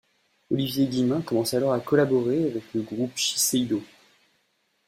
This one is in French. Olivier Guillemin commence alors à collaborer avec le groupe Shiseido.